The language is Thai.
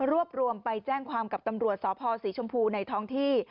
รวบรวมไปแจ้งความกับตำรวจสพศรีชมพูในท้องที่